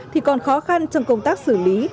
thì còn khó khăn trong công tác xử lý